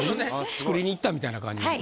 作りに行ったみたいな感じですね。